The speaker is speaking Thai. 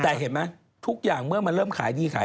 แต่เห็นไหมทุกอย่างเมื่อมันเริ่มขายดีขาย